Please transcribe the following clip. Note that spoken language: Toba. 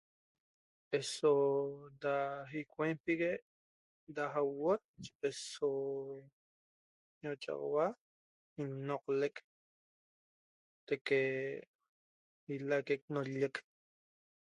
Eso da ecuenpigue da ahuoot eso ñochaxaua noqlec de que ilaque ca nolleq